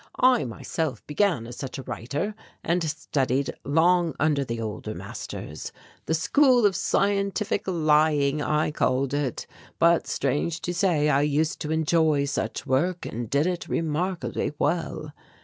I myself began as such a writer and studied long under the older masters. The school of scientific lying, I called it, but strange to say I used to enjoy such work and did it remarkably well.